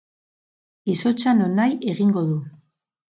Izotza nonahi egingo du.